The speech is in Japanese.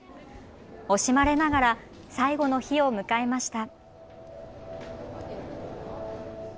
惜しまれながら最後の日を迎えました。